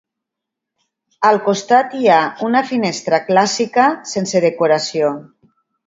Al costat hi ha una finestra clàssica sense decoració.